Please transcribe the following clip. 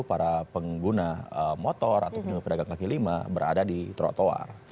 para pengguna motor ataupun juga pedagang kaki lima berada di trotoar